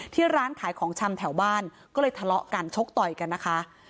ร้านขายของชำแถวบ้านก็เลยทะเลาะกันชกต่อยกันนะคะ